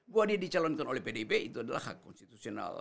buat dia dicalonkan oleh pdb itu adalah hak konstitusional